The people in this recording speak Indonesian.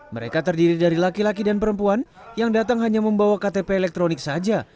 mereka terdiri dari laki laki dan perempuan yang datang hanya membawa ktp elektronik saja